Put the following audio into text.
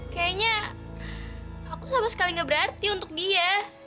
kayaknya aku sama sekali gak berarti untuk dia